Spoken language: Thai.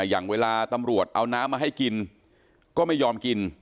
อย่างเวลาตำรวจเอาน้ำมาให้กินก็ไม่ยอมกิน